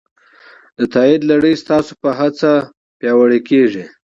د تایید لړۍ ستاسو په هڅه پیاوړې کېږي.